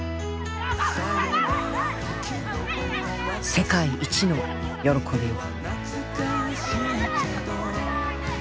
世界一の喜びを。